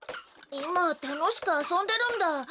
今楽しく遊んでるんだ。